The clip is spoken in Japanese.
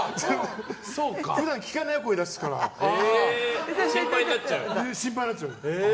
普段聞かない声を出すから心配になっちゃう。